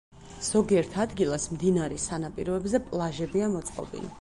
ზოგიერთ ადგილას, მდინარის სანაპიროებზე პლაჟებია მოწყობილი.